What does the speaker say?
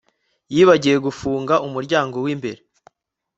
yibagiwe gufunga umuryango wimbere